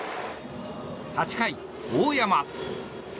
８回、大山。